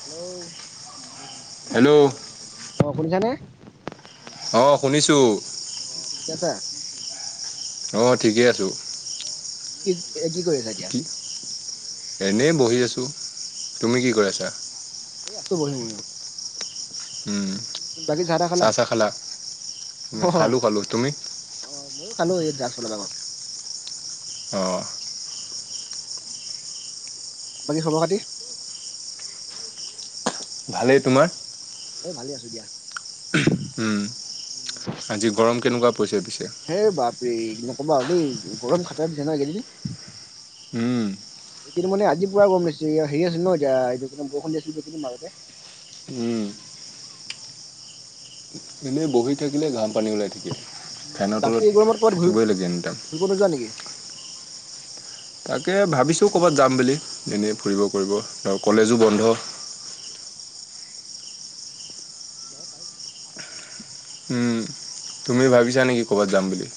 Hello? Hello? অ শুনিছানে? অ শুনিছোঁ। অ ঠিক আছা? অ ঠিকেই আছো। অ কি এ কি কৰি আছা এতিয়া? উ, এনেই বহি আছোঁ, অ তুমি কি কৰি আছা? এই আছো বহিম। উম চাহ চাহ খালা? অ না খালো খালা, তুমি? অ ময়ো খালো এই জাষ্ট অলপ আগত। অ। বাকী খবৰ খাতি? ভালেই। তোমাৰ? এই ভালে আছো দিয়া। উম আজি গৰম কেনেকুৱা পৰিছে পিছে? সেই বাপৰেই নকবা আৰু দেই, গৰম খাত্ৰা দিছে ন [inaudible] উম। কিন্তু মানে আজি পোৰা গম দিছে হেৰি আছে ন এতি এইটো বৰষূণ দি আছো কিন্তু মাজতে। উম। এনেই বহি থাকিলে ঘাম পানী ওলাই থাকে, ফেনৰ তলত থাকিবই লাগে এনিটাইম। ফুৰিব নোযোৱা নেকি? তাকে ভাবিছো কৰ'বাত যাম বুলি এনেই ফুৰিব কৰিব আৰু কলেজো বন্ধ। যাব পাৰি তেনে। উম, তুমি ভাবিছা নেকি ক'ৰবাত যাম বুলি?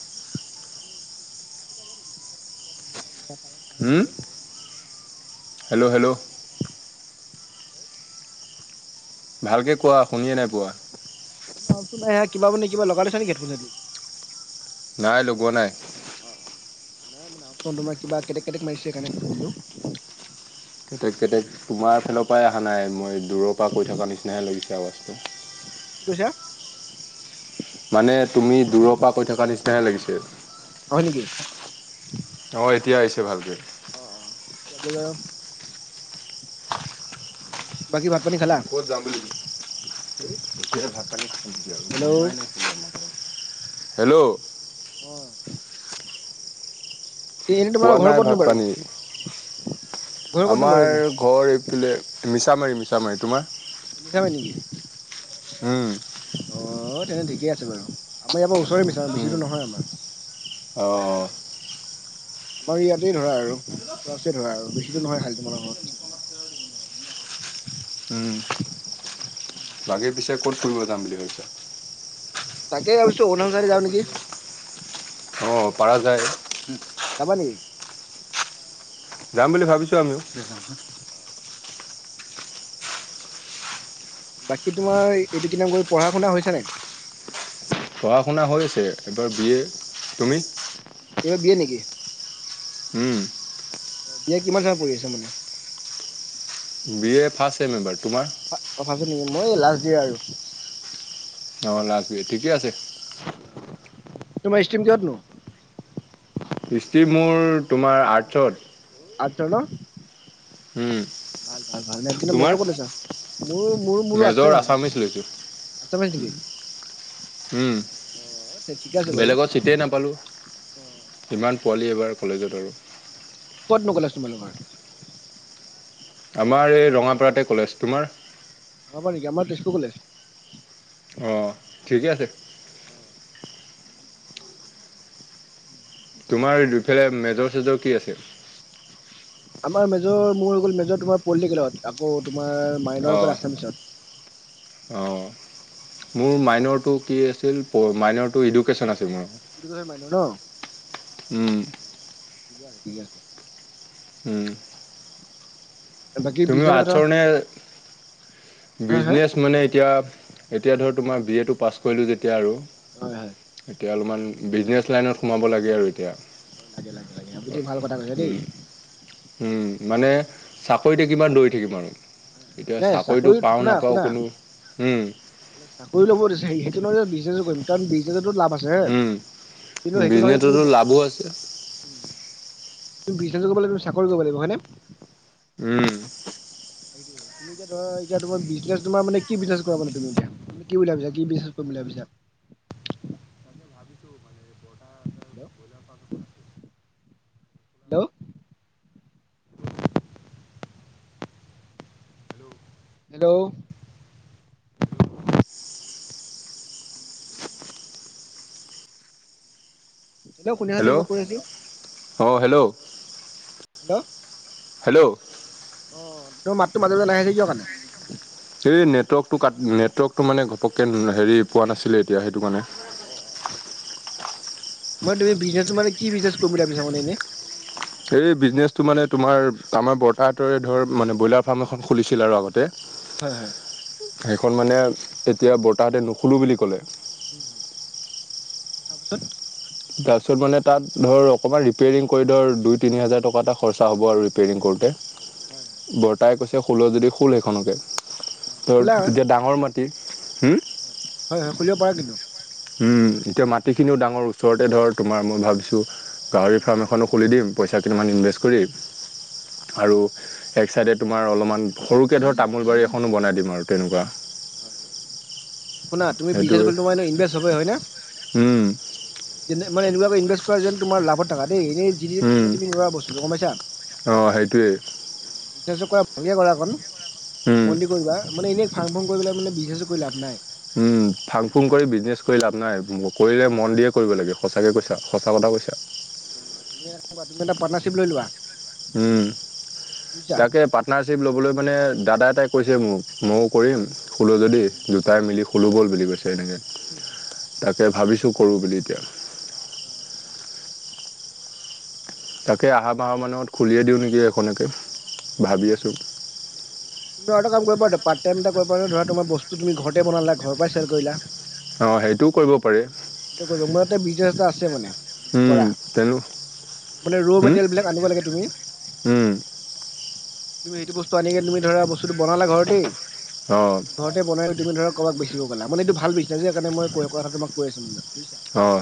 হুম [inaudible] হেল্ল হেল্ল [inaudible] ভালকে কোৱা শুনিয়ে নাই পোৱা? কিবা কিবি লগাই লৈছা নেকি হেডফোন নাই লগোৱা নাই। অ অ নাই মানে মাতটো কিবা কেটেক কেটেক মাৰিছে সেই কাৰণে কৈছিলোঁ। কেতেক কেতেক তোমাৰ ফালৰ পৰাই অহা নাই, মই দূৰৰ পৰা কৈ থকাৰ নিচিনাহে লাগিছে আৱাজটো। কি কৈছা? মানে তুমি দূৰৰ পৰা কৈ থকা নিচিনাহে লাগিছিল। হয় নেকি? অ এতিয়া আহিছে ভালকেই। অ অ কিয় বুলি কৈ, বাকী ভাত পানী খালা? ক'ত যাম বুলি লি হেল্ল' [inaudible] হেল্ল অহ। খোৱা ঘৰ নাই ক'তনো ভাত বাৰু পানী, ঘৰ ক'তনো বাৰু আমাৰ এনে ঘৰ এইফালাই, মিছা মাৰি মিছা মাৰি, তোমাৰ? মিছা মাৰি নেকি? উম। অ তেনে ঠিকেই আছে বাৰু আমাৰ ইয়াৰ পৰা ওচৰে মিচাৰ বেছি দুৰ নহয় আমাৰ। অহ অহ। আমাৰ ইয়াতেই ধৰা আৰু উচৰা উচৰি ধৰা আৰু বেছি দুৰ নহয় খালি তোমাৰ মোৰ। উম। বাকী পিছে ক'ত ফুৰিব যাম বুলি ভাবিছ? তাকে ভাবিছো অৰুণাচল যাওঁ নেকি। অ পাৰা যায়। যাবা নেকি? যাম বুলি ভাবিছো আমিও। অহ। বাকী তোমাৰ এইটো কিনাম কৈ পঢ়া শুনা হৈছে নাই? পঢ়া-শুনা হৈ আছে এইবাৰ বি এ, তুমি? এইবাৰ বি এ নেকি? উম। অ', বি এ কিমান চেমত পঢ়ি আছে মানে? বি এ ফাৰ্ষ্ট ছেম এইবাৰ, তোমাৰ? অ', ফাৰ্ষ্ট ছেম নেকি? মই এই লাষ্ট দিয়া আৰু। অ', লাষ্ট ইয়ৰ ঠিকে আছে। তোমাৰ ইষ্ট্ৰিম কিহত নো? ইষ্ট্ৰীম মোৰ তোমাৰ আৰ্টছত। আৰ্টছৰ ন'? উম ভাল ভাল ভাল কিন্তু তোমাৰ মেজৰ ক'ত লৈছা? মোৰ মোৰ মোৰো মেজৰ আৰ্টছৰে আছামিছ লৈছোঁ হয় [unintelligible] উম, অ তে ঠিকে আছে বাৰু বেলেগত ছিটেই অ নাপালোঁ। ইমান পোৱালি এবাৰ কলেজত আৰু। ক'তনো কলেজ তোমালোকৰ? আমাৰ এই ৰঙাপাৰাতে কলেজ, তোমাৰ? ৰঙাপৰা নেকি? আমাৰ তেজপুৰ কলেজ। অ', ঠিকে আছে। অ'। উম। তোমাৰ দুফালে মেজৰ-চেজৰ কি আছে? আমাৰ মেজৰ মোৰ হৈ গ'ল মেজৰ তোমাৰ পলিটিকেলত, আকৌ তোমাৰ মাইনৰ অকল আচামিচত। অ'। মোৰ মাইনৰটো কি আছিল, মাইনৰটো এডুকেশ্যন আছিল। এডুকেশ্বন মাইনৰ ন'? উম। ঠিক আছে ঠিক আছে। উম। বাকী তুমিও বিজনেছৰ কথা আৰ্টছৰ নে? হা হা বিজনেচ মানে এতিয়া এতিয়া ধৰ তোমাৰ বি এ টো পাছ কৰিলোঁ যেতিয়া আৰু হয় হয় এতিয়া অলপমান বিজনেছ লাইনত সোমাব লাগে আৰু এতিয়া। অ', লাগে লাগে লাগে [unintelligible] ইটো ভাল কথা কৈছা দেই। উম, উম, মানে চাকৰিতে কিমান দৌৰি থাকিম আৰু এতিয়া নাই চাকৰিটো চাকৰি পাওঁ শুনা নাপাওঁ শুনা কোনো, উম। চাকৰি ল'ব দিছে সেইটো নহয় যে বিজনেছে কৰিম। কাৰণ বিজনেছটোত লাভ আছে, উম, কিন্তু সেইটো নহয় যে তুমি বিজনেছতো লাভো আছে তুমি বিজনেছো কৰিব লাগিব তুমি চাকৰিও কৰিব লাগিব হয়নে? উম, [unintelligible] তুমি এতিয়া ধৰা এতিয়া তোমাৰ বিজনেছ তোমাৰ মানে কি বিজনেছ কৰা মানে তুমি এতিয়া? তুমি কি বুলি ভাবিছা কি বিজনেছ কৰিম বুলি ভাবিছা? ভাবিছো মানে যে বৰতা হেল্ল' [unintelligible] হেল্ল'? হেল্ল'? শুনিছা নে হেল্ল' কিবা কৈ আছো? অ', হেল্ল'? হেল্ল'? হেল্ল'? অ তোৰ মাতটো মাজে মাজে নাহে যে কিহৰ কাৰণে? এই নেটৱৰ্কটো কাট নেটৱৰ্কটো মানে ঘপককে হেৰি পোৱা নাছিলে এতিয়া সেইটো কাৰণে। অ অ, মই তুমি বিজনেচটো মানে কি বিজনেচ কৰিম বুলি ভাবিছা মানে এনেই? এই বিজনেচটো মানে তোমাৰ আমাৰ বৰ্তাহঁতৰে ধৰ মানে ব্ৰইলাৰ ফাৰ্ম এখন খুলিছিল আৰু আগতে। হয় হয়। সেইখন মানে এতিয়া বৰ্তাহতে নুখুলো বুলি কলে। তাৰপিছত? তাৰপিছত মানে তাত ধৰ অকমান ৰিপিয়েৰিং কৰি ধৰ দুই তিনি হাজাৰ টকা এটা খৰচা হ'ব আৰু ৰিপিয়েৰিঙ কৰোতে। হয় হয়। বৰতাই কৈছে খুল' যদি খোল সেইখনকে। অ ধৰ খোলা এতিয়া ডাঙৰ মাটি, হুম হয় হয় খুলিব পাৰা কিন্তু। উম এতিয়া মাটিখিনিও ডাঙৰ ওচৰতে ধৰ তোমাৰ মই ভাবিছো গাহৰি ফাৰ্ম এখনো খুলি দিম পইচা কেইটামান ইনভেষ্ট কৰি। আৰু এক চাইডে তোমাৰ অলমান সৰুকে ধৰ তামোল বাৰী এখনো বনাই দিম আৰু তেনেকুৱা। হয় হয়, শুনা তুমি বিজনেছ কৰি তোমাৰ এনে ইনভেষ্ট হবয়ে হয় নে? উম। যেনে মানে এনেকুৱাকে ইনভেষ্ট কৰা যেন তোমাৰ লাভত থাকা দেই এনেই যি যি এনে তুমি নোৱাৰা বস্তুটো গম পাইছা? অঁ সেইটোৱে [unintelligible] কৰা ভালকে কৰা অকণ, মন দি কৰিবা মানে এনে ফাং-ফুং কৰি পেলাই বোলে মানে বিজনেছটো কৰি লাভ নাই। উম ফাং-ফুং কৰি বিজনেছ কৰি লাভ নাই, কৰিলে মন দিয়ে কৰিব লাগে সঁচাকে হয়, কৈছা হয়। সঁচা কথা কৈছা। [unintelligible] পাৰ্টনাৰশ্বিপ লৈ লোৱা। উম, বুজিছা। তাকে পাট নাৰশ্বিপ ল'বলৈ মানে দাদা এটাই কৈছে মোক ময়ো অ', কৰিম খুলো যদি দুটাই মিলি খোলো ব'ল বুলি কৈছে এনেকে। [inaudible] তাকে ভাবিছো কৰো বুলি এতিয়া। অ আচ্ছা। তাকে আহা মাহৰ মানত খুলিয়ে দিওঁ নেকি এখনকে। [unintelligible] ভাবি আছোঁ আৰু এটা কাম কৰিব পাৰিলা, পাৰ্ট টাইম এটা কৰিব পাৰা, ধৰা তোমাৰ বস্তু তুমি ঘৰতে বনালা ঘৰৰ পৰাই চেল কৰিলা। অ সেইটোও কৰিব পাৰি। মোৰ ইয়াতে বিজনেছ এটা আছে মানে, কৰা, তেনো মানে ৰ' মেটেৰিয়েল বিলাক আনিব লাগে তুমি। উম। তুমি সেইটো বস্তু আনি কেনে তুমি ধৰা বস্তুটো বনালা ঘৰতেই অ। ঘৰতে বনাই তুমি ধৰা কাবাক বেচিব গ'লা মানে এইটো ভাল বিজনেছ যে সেই কাৰণে মই কথাটো তোমাক কৈ আছো। বুজিছা? অঁ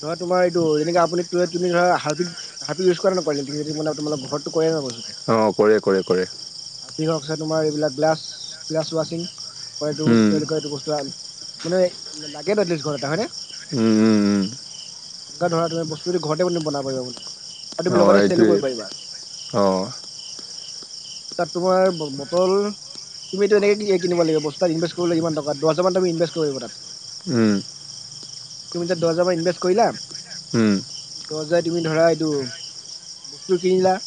ধৰা তোমাৰ এইটো যেনেকে আপুনি তুমি ধৰা হাৰপিক হাৰপিক ইউজ কৰা নে নকৰা [unintelligible] মানে তোমালোকৰ ঘৰতটো কৰে ন' অঁ কৰে কৰে কৰে। হৰপিকো আছে তোমাৰ এইবিলাক গ্লাছ গ্লাছ ৱাছিং। হয়টো কি বুলি কয় এইটো বস্তু মানে লাগে এতলিষ্ট ঘৰ এটা হয়নে? উম উম উম। এনেকা ধৰা তুমি বস্তুটো ঘৰতে বনাব পাৰিবা। আৰু তুমি লগতে চেলো অ' কৰিব পাৰিবা। এইটোৱে অ'। তাত তোমাৰ ব বটল। তুমি এনেকে কিনিব লাগিব বস্তুাত ইনভেষ্ট কৰিব লাগ ইমান ট দছ হাজাৰান তু ইনভেষ্ট কৰিব তাত। উম। তুমি তাত দহ হাজাৰমান ইনভেষ্ট কৰিলা। উম। দশ হাজাৰ তুমি ধৰা এইটো বস্তু কিনিলা।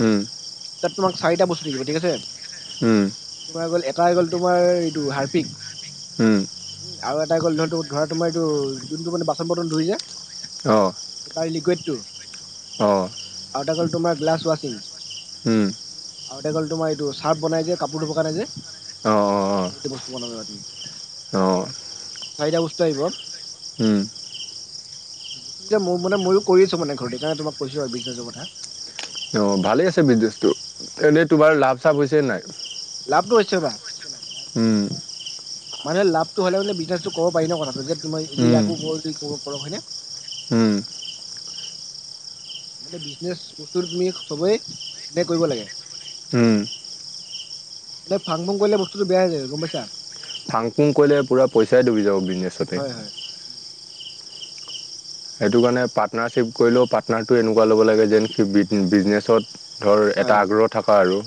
উম। তাত তোমাৰ চাৰিটা বস্তু থাকিব ঠিক আছে। উম। তোমাৰ গ'ল এটাই গ'ল তোমাৰ এইটো হৰপিক। উম আৰু এটা গ'ল ধ ধৰা তোমাৰ এইটো যোনটো মানে বাচন বৰ্তন ধুই যে। অ'। তাৰ লিকুইডটো আৰু এটা হ'ল তোমাৰ গ্লাছ ৱাছিং। আৰু এটা হৈ গ'ল তোমাৰ এইটো চাৰ্ফ বনাই যে কাপোৰ ধুব কাৰণে যে। এইটো বস্তু মনত ৰাখিবা। অঁ অঁ চাৰিটা বস্তু আহিব। অঁ এতিয়া মোক মানে ময়ো কৰি আছো মানে ঘৰতে কাৰণে তোমাক কৈছো আৰু বিজনেছৰ কথা। অ' ভালে আছে বিজনেচটো এনেই তোমাৰ লাভ চাভ হৈছে নাই? লাভটো হৈছে ৰবা। মানে লাভটো হ'লে বিজনেছটো ক'ব পাৰি ন' বস্তুটো কথাটো যে তুমি যে ইয়াকো ক'ব পাৰোঁ কৰ হয়নে? উম। মানে বিজনেছ বস্তু তুমি সবেই কৰিব ধুনীয়াকৈ কৰিব লাগে। উম। মানে ফাং ফুং কৰিলে বস্তুটো বেয়া হৈ য গম পাইছা। ফাং ফুং কৰিলে পুৰা পইচাই ডুবি যাব বিজনেছতে। হয় হয় সেইটো কাৰণে পাৰ্টনাৰশ্বিপ কৰিলেও পাৰ্টনাৰটো এনেকুৱা ল'ব লাগে যেন সি বিজনেচত। ধৰ এটা আগ্ৰহ থকা আৰু।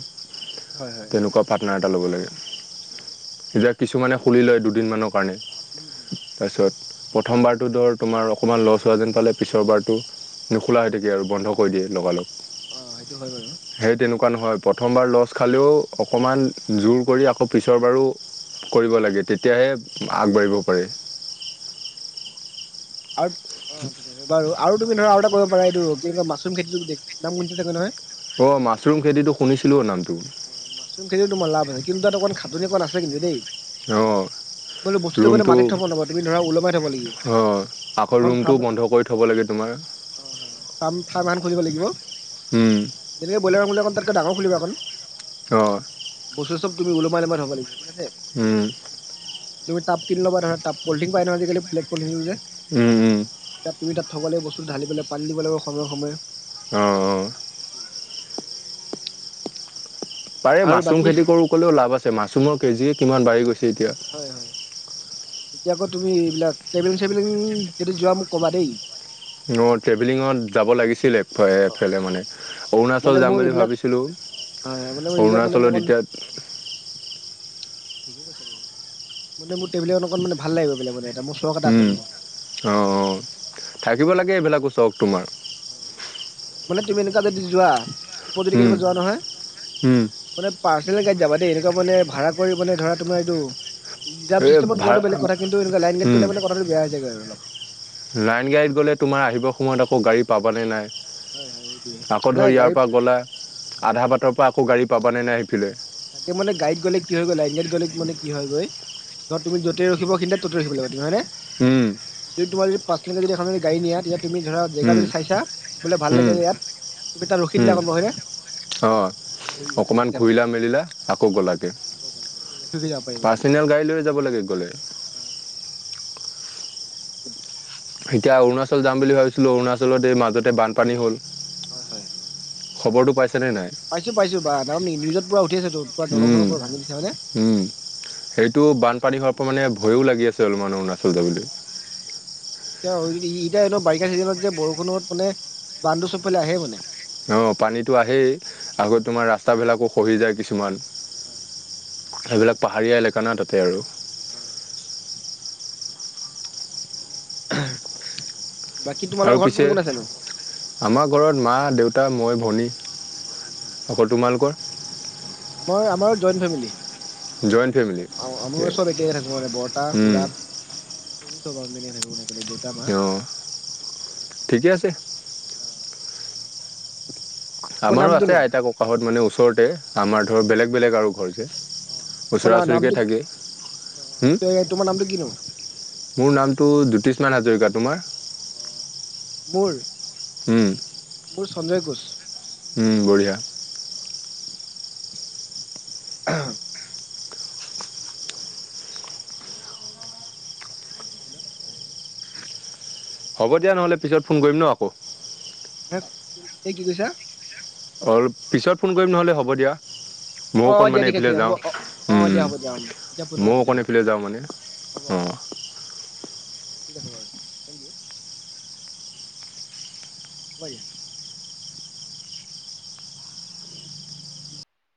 হয় হয়। তেনেকুৱা পাৰ্টনাৰ এটা ল'ব লাগে। [unintelligible] এতিয়া কিছুমানে খুলি লয় দুদিনমানৰ কাৰণে। [inaudible] তাৰপিছত প্ৰথমবাৰটো ধৰ তোমাৰ। অকণমান লছ হোৱা যেন পালে পিছৰ বাৰটো নোখোলা হৈ থাকে আৰু বন্ধ কৰি দিয়ে লগালগ। অ' সেইটো হয় বাৰু। সেই তেনেকুৱা নহয় প্ৰথমবাৰ লছ খালেও অকণমান জোৰ কৰি আকৌ পিছৰ বাৰো কৰিব লাগে তেতিয়াহে আগবাঢ়িব পাৰি। আৰু অ ঠিক আছে বাৰু আৰু তুমি ধৰা আৰু এটা কৰিব পাৰা এইটো কি কয় মাচৰুম খেতি নাম কোন থাকে নহয়। অ মাছৰুম খেতিতটো শুনিছিলো নামটো। মাচৰুম খেতিও তোমাৰ লাভ আছে কিন্তু তাত অকণ খাতনি আছে কিন্তু দেই। অ'। বোলো বস্তুটো মানে ৰুমটো মাটিত থব নাপাবা তুমি ধৰা ওলমাই থব লাগিব অ' আকৌ ৰুমটোও বন্ধ কৰি থ'ব লাগে তোমাৰ। [unintelligible] থাৰ্ম এখন খুলিব লাগিব। উম। যেনেকৈ বয়লাৰ তাতকৈ ডাঙৰ খুলিম এখন। অঁ অঁ বস্তু চব তুমি ওলোমাই ওলোমাই থব লাগিব, ঠিক আছে। উম। তুমি তাপ কিনি লবা তাৰপাছত পলথিন পাই নহয় আজিকালি ব্লেক পলিথিন যে। উম, উম। তাত তুমি তাত থব লাগিব বস্তু, পানী দিব লাগিব সময়ে সময়ে। অঁ, অঁ। উম। পাৰে আৰু মাছৰুম বাকী খেতি কৰোঁ ক'লেও লাভ আছে। মাছৰুমৰ কেজিয়ে কিমান বাঢ়ি গৈছে এতিয়া। হয়, হয়। এতিয়া আকৌ তুমি এইবিলাক ট্ৰেভিলিং- চেভিলিং যদি যোৱা মোক ক'বা দেই। অঁ, ট্ৰেভেলিঙত যাব লাগিছিল এফালে অ এফালে মানে। অ মানে অৰুণাচল যাম মোৰ বুলি এইবিলাক ভাবিছিলোঁ, হয় মানে মোৰ এইবিলাক মানে মোৰ অৰুণাচলত অকণ এতিয়া- ঠিকে কৈছে বাৰু মানে মোৰটবিল অকণ মানে ভাল লাগিব বেলেগ মানে। এটা মোৰ চখ এটা আছে উম, মানে অঁ, অঁ, থাকিব ট্ৰেভেলিং লাগে এইবিলাকো চক তোমাৰ। হয়, হয়। মানে তুমি এনেকুৱা যদি যোৱা ওপৰ যদি উম, কেতিয়াবা যোৱা নহয়- উম, মানে পাৰ্চনেল গাইড যাবা দেই, এনেকুৱা মানে ভাড়া কৰি মানে ধৰা তোমাৰ এইটো- ৰিজাপ এই চিছতেমত যোৱাটো ভাড়া বেলেগ কথা। কিন্তু এনেকুৱা লাইন গাড়ীত উম, গ'লে মানে কথাটো বেয়া হৈ যায় আৰু অলপ। লাইন গাড়ীত গ'লে তোমাৰ আহিবৰ সময়ত আকৌ গাড়ী পাব নে নাই? হয় হয় সেইটোৱে আকৌ ধৰ নাই ইয়াৰ গাড়ীত পৰা গ'লা হয়। আধা বাটৰ পৰা আকৌ গাড়ী পাবানে নে সিফালে? তাকে মানে গাড়ীত গ'লে কি হৈ গৈ, লাইনগত গ'লে মানে কি হয় হৈ গৈ? সিহঁত তুমি যতে ৰখিব কিন্তু ততে ৰখিব লাগিব, হয়নে? উম। যদি তোমাৰ পাঁচ কিলোমিটাৰ যদি এখন গাড়ী নিয়া, ইয়াত তুমি ধৰা জেগা উম, যদি চাইছা বোলে ভাল উম, লাগে ইয়াত। তুমি তাত ৰখি উম, দিলা গম পোৱা, হয়নে? অঁ মানে সেইটো অকণমান চিষ্টেম হয়। ঘূৰিলা মেলিলা আকৌ অ গলাগে, আকৌ গ'লা সেইটো ৰখি ৰখি যাব পাৰিবা তুমি পাৰ্চনেল গাড়ী লৈ যাব লাগে গ'লে। অ এতিয়া অৰুণাচল যাম বুলি ভাবিছিলোঁ, অৰুণাচলত এই মাজতে বানপানী হ'ল। হয়, হয়। খবৰটো পাইছে নে নাই? পাইছো, পাইছো বা কাৰণ নিউজ পুৰা উঠি আছে ত, পুৰা উম, দলং-চলং পঙৰা ভাঙি দিছে, হয় নে? উম, সেইটো বানপানী হোৱাৰ পৰা মানে ভয়ো লাগি আছে অলপমান অৰুণাচল যাবলৈ। এতিয়া এনে বাৰিষা চিজনত যে বৰষুণত মানে বানটো চবফালে আহে মানে। অঁ, পানীতো আহেই অ', আকৌ তোমাৰ ৰাস্তাবিলাকো খহি যায় কিছুমান। হয়। সেইবিলাক পাহাৰীয়া এলেকা না তাতে আৰু। অঁ। হয়। আৰু পিছে আমাৰ ঘৰত মা, দেউতা, মই, ভনী। আকৌ তোমালোকৰ? আমাৰ-আমাৰ জইণ্ট ফেমিলি। জইণ্ট ফেমিলি আমাৰ -আমাৰ চব একে থাকো মানে বৰটা, খুৰা- কৰি চব আমি থাকো দিয়ক। অওঁ, ঠিকে আছে। তোমাৰ আমাৰো আছে নামটোনো আইতা- ককাহঁত মানে ওচৰতে, আমাৰ ধৰ বেলেগ বেলেগ আৰু ঘৰ যে। ওচৰা ওচৰিকে থাকে। অ এ, তোমাৰ নামতো কিনো? মোৰ নামটো জ্যোতিষ্মান হাজৰিকা। তোমাৰ? মোৰ উম। মোৰ সঞ্জয় ঘোচ। উম, বঢ়িয়া। [unintelligible] হেল্লো'। হ'ব দিয়া নহ'লে পিছত ফোন কৰিম ন আকৌ। হ, এই কি কৈছা? অলপ পিছত ফোন কৰিম নহ'লে হ'ব দিয়া। মই অ অ অকণ দিয়া মানে ঠিক আছে এইফালে হ'ব যাওঁ, অ অ দিয়া উম, হ'ব দিয়া উম। এতিয়া ফোনটো কাটি মইও দিয়া হ'ব অকণ দিয়া এইফালে যাওঁ মানে। হ'ব অঁ ঠিক আছে বাৰু থেংক ইউ। [unintelligible]